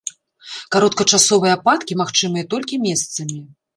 Кароткачасовыя ападкі магчымыя толькі месцамі.